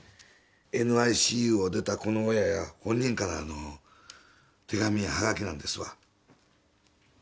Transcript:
ＮＩＣＵを出た子の親や本人からの手紙やハガキなんです